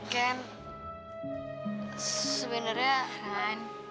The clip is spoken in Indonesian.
kan sebenernya ran